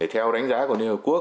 theo đánh giá của liên hợp quốc